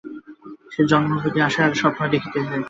সে জন্মাবধি আশার স্বপ্ন দেখিতেছে।